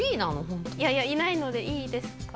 ホントいやいやいないのでいいですか？